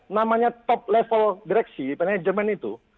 namanya top level direksi manajemen itu